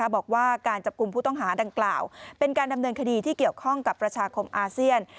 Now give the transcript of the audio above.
บอกว่าการจับกลุ่มผู้ต้องหาดังกล่าวเป็นการดำเนินคดีที่เกี่ยวข้องกับประชาคมอาเซียน